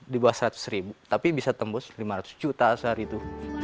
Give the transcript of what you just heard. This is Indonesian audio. di bawah seratus ribu tapi bisa tembus lima ratus juta sehari itu